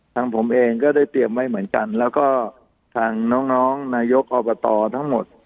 ทางผมเองก็ได้เตรียมไว้เหมือนกันแล้วก็ทางน้องน้องนายกอบตทั้งหมด